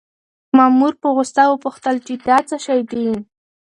مامور په غوسه وپوښتل چې دا څه شی دی؟